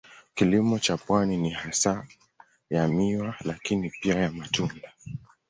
Kilimo cha pwani ni hasa ya miwa lakini pia ya matunda.